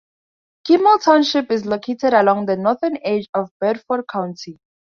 Kimmel Township is located along the northern edge of Bedford County.